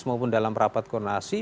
maupun dalam rapat koordinasi